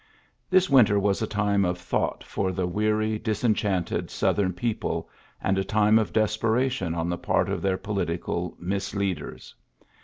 This winter was a time of thought for the weary, disenchanted Southern I>eople and a time of desperation on the part of their political misleaders.